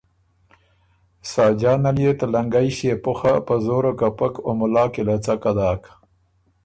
ساجان ال يې ته لنګئ ݭيې پُخه په زوره کپک او مُلا کی له څکه داک۔